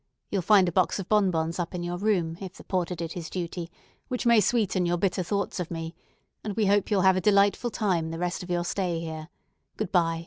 You'll find a box of bonbons up in your room, if the porter did his duty, which may sweeten your bitter thoughts of me; and we hope you'll have a delightful time the remainder of your stay here. Good by."